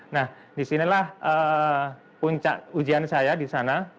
nah disinilah puncak ujian saya di sana